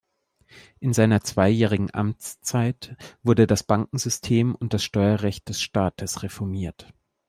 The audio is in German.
In seiner zweijährigen Amtszeit wurden das Bankensystem und das Steuerrecht des Staates reformiert.